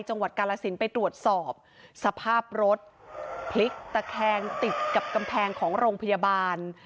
จังหวัดกาลสินไปตรวจสอบสภาพรถพลิกตะแคงติดกับกำแพงของโรงพยาบาล